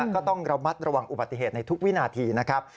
ก็ต้องระมัดระวังอุบัติเหตุในทุกวินาทีนะครับ